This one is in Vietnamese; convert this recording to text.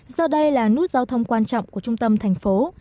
do đây là nút giao thông quan trọng của trung tâm thành phố